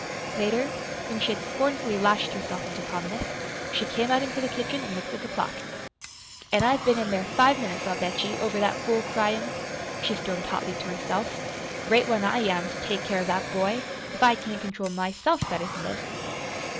Later, when she had scornfully lashed herself into calmness, she came out into the kitchen and looked at the clock. "An' I've been in there five minutes, I'll bet ye, over that fool cry in'," she stormed hotly to herself. "Great one, I am, to take care of that boy, if I can't control myself better than this!"